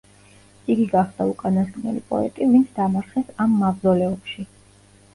იგი გახდა უკანასკნელი პოეტი, ვინც დამარხეს ამ მავზოლეუმში.